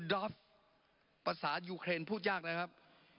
มีนายเพลูกูดอฟภาษายุเครนพูดยากนะครับ